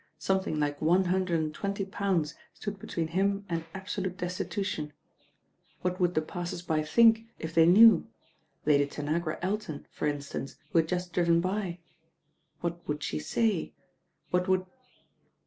Something like one hundred and twenty pounds stood between him and absolute destitution. What would the passers by think if they knew,— Lady Tanagra Elton, for mstance, who had just driven by? What would she say? What would